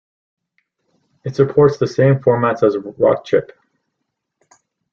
It supports the same formats as Rockchip.